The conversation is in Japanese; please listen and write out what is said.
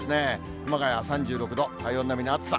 熊谷３６度、体温並みの暑さ。